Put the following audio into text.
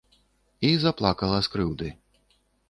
І заплакала з крыўды.